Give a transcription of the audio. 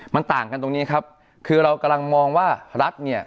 มันต่างกันตรงนี้ครับคือเรากำลังมองว่ารัฐเนี่ย